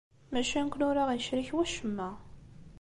Maca nekkni ur aɣ-yecrik wacemma.